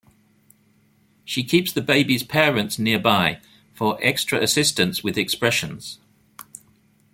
She keeps the babies' parents nearby for extra assistance with expressions.